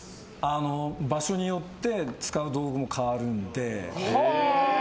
場所によって使う道具も変わるので。